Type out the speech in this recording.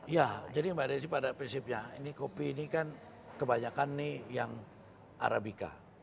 ya jadi mbak desi pada prinsipnya ini kopi ini kan kebanyakan nih yang arabica